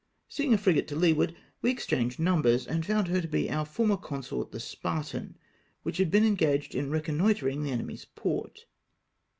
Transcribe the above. Seeing a frigate to leeward, we exchanged numbers, and found her to be our former consort the Spartan, which had been engaged in reconnoitring the enemy's port.